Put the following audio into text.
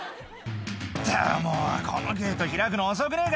「あぁもうこのゲート開くの遅くねえか？」